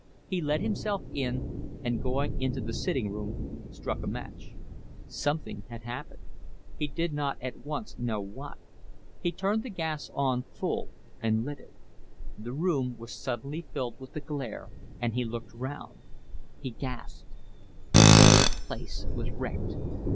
He let himself in and going into the sitting room struck a match. Something had happened, he did not at once know what; he turned the gas on full and lit it; the room was suddenly filled with the glare and he looked round. He gasped. The whole place was wrecked.